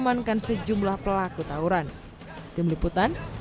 namun diduga tawuran terjadi lantaran salah satu kubu supporter tidak terima dengan kekalahan timnya